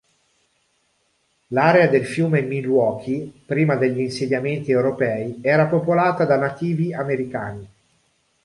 L'area del fiume Milwaukee, prima degli insediamenti europei, era popolata da Nativi americani.